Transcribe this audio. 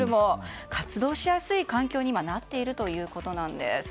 活動しやすい環境になっているということです。